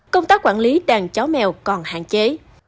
công tác quản lý đàn chó mèo còn hạn chế